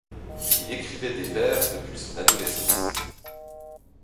Il écrivait des vers depuis son adolescence.